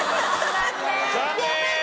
残念。